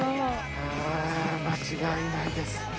あ間違いないです。